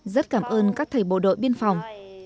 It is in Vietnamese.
rất cảm ơn các thầy bộ đội biên phòng